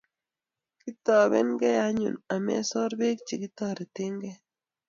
Kitobenkei anyun amasor Bek chekitortokei